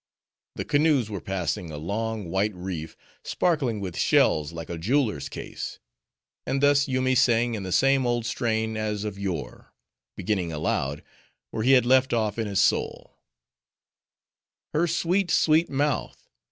The canoes were passing a long, white reef, sparkling with shells, like a jeweler's case: and thus Yoomy sang in the same old strain as of yore; beginning aloud, where he had left off in his soul:— Her sweet, sweet mouth!